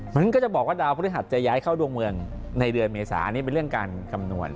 มันก็จะบอกว่าดาวพฤหัสจะย้ายเข้าดวงเมืองในเดือนเมษาอันนี้เป็นเรื่องการคำนวณ